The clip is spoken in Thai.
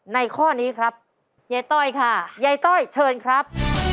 ข้อนี้ครับยายต้อยค่ะยายต้อยเชิญครับ